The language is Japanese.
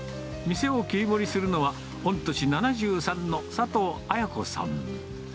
店を切り盛りするのは、御年７３の佐藤あや子さん。